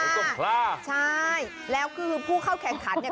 ต้องพลาดใช่แล้วคือผู้เข้าแข่งขันเนี่ย